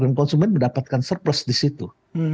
dan konsumen mendapatkan surplus disitu